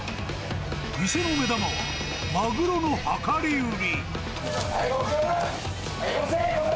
店の目玉は、マグロの量り売り。